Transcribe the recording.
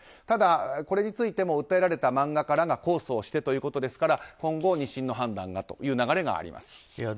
ただ、これについても訴えられた漫画家らが控訴をしてということですから今後２審の判断がという流れがあります。